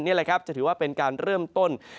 นี่แหละครับจะถือว่าเป็นการเริ่มต้น